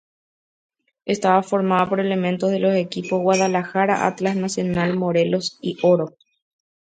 Estaba formada por elementos de los equipos "Guadalajara", "Atlas", "Nacional", "Morelos", y "Oro".